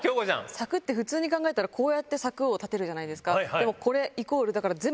柵って普通に考えたらこうやって立てるじゃないですか。